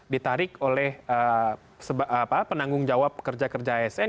ditarik oleh penanggung jawab kerja kerja asn